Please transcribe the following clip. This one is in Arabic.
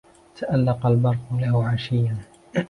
تألق البرق له عشيا